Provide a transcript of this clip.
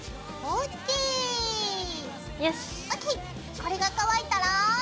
これが乾いたら。